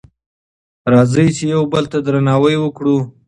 راځئ چې یو بل ته درناوی وکړو.